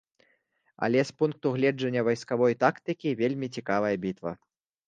Але з пункту гледжання вайсковай тактыкі вельмі цікавая бітва.